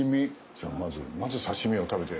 じゃあまず刺し身を食べて。